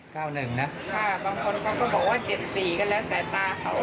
ถ้าบางคนเขาก็บอกว่า๗๔ก็แล้วแต่ตาเขา